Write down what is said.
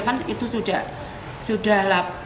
kan itu sudah